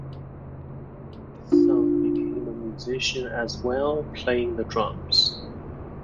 His son became a musician as well, playing the drums.